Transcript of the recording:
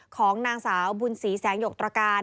ของนางสาวบุญศรีแสงหยกตรการ